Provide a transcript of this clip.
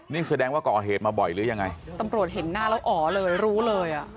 นี่แสดงว่าก่อเหตุมาบ่อยหรือยังไงตำรวจเห็นหน้าแล้วอ๋อเลยรู้เลยอ่ะ